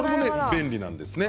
便利なんですね。